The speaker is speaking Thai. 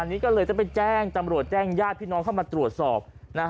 อันนี้ก็เลยต้องไปแจ้งตำรวจแจ้งญาติพี่น้องเข้ามาตรวจสอบ